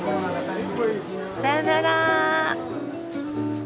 さよなら。